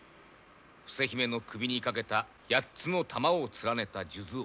伏姫の首にかけた八つの珠を連ねた数珠を。